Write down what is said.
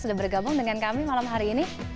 sudah bergabung dengan kami malam hari ini